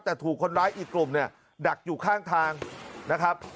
แต่ถูกคนร้ายอีกกลุ่มเนี่ยดักอยู่ข้างทางนะครับ